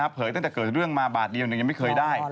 ตั้งแต่เกิดเรื่องมาบาทเดียวยังไม่เคยได้